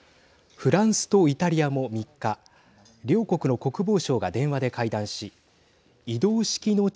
フランスとイタリアも３日両国の国防相が電話で会談し移動式の地